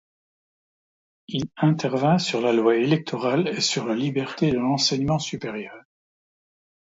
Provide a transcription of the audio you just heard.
Il intervint sur la loi électorale et sur la liberté de l'enseignement supérieur.